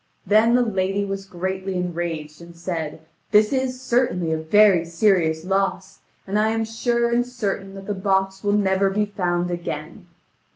Then the lady was greatly enraged, and said: "This is certainly a very serious loss, and I am sure and certain that the box will never be found again.